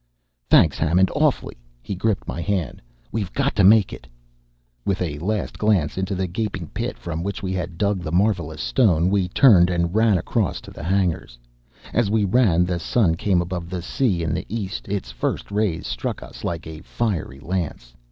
"Thanks, Hammond. Awfully!" He gripped my hand. "We've got to make it!" With a last glance into the gaping pit from which we had dug the marvelous stone, we turned and ran across to the hangars. As we ran the sun came above the sea in the east: its first rays struck us like a fiery lance.